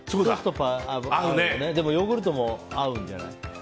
でもヨーグルトも合うんじゃない。